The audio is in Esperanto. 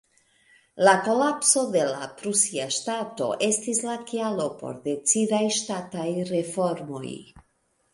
La kolapso de la prusia ŝtato estis la kialo por decidaj ŝtataj reformoj.